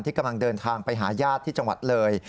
กำลังเดินทางไปหาญาติที่จังหวัดเลย